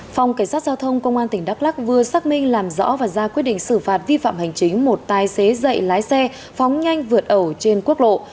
phòng cảnh sát giao thông công an tỉnh đắk lắc vừa xác minh làm rõ và ra quyết định xử phạt vi phạm hành chính một tài xế dậy lái xe phóng nhanh vượt ẩu trên quốc lộ